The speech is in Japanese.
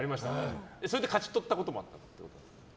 それで勝ち取ったこともあるんですか？